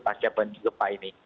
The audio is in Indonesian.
pasca penyegupan ini